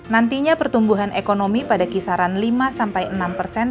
nantinya pertumbuhan ekonomi pada kisaran lima sampai enam persen